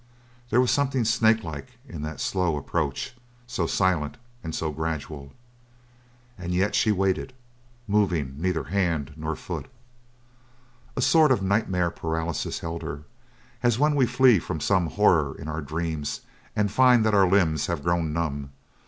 There was something snakelike in that slow approach, so silent and so gradual. And yet she waited, moving neither hand nor foot. A sort of nightmare paralysis held her, as when we flee from some horror in our dreams and find that our limbs have grown numb.